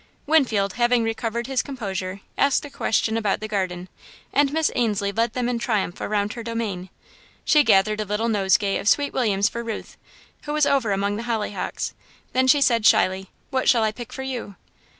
Winfield, having recovered his composure, asked a question about the garden, and Miss Ainslie led them in triumph around her domain. She gathered a little nosegay of sweet williams for Ruth, who was over among the hollyhocks, then she said shyly: "What shall I pick for you?"